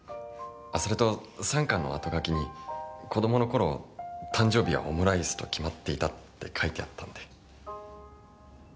それと３巻の後書きに「子供の頃誕生日はオムライスと決まっていた」って書いてあったんで。